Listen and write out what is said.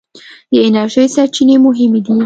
د انرژۍ سرچینې مهمې دي.